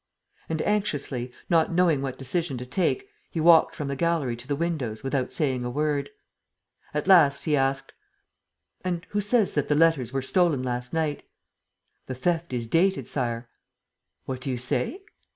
And, anxiously, not knowing what decision to take, he walked from the gallery to the windows without saying a word. At last, he asked: "And who says that the letters were stolen last night?" "The theft is dated, Sire." "What do you say?"